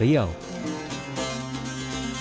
riano fitra pekanbaru riau